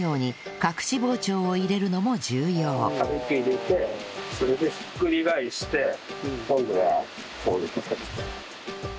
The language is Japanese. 軽く入れてそれでひっくり返して今度はこう。